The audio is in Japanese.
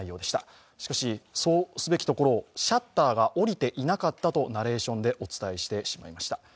しかしそうすべきところをシャッターが降りていなかったとナレーションでお伝えしてしまいました。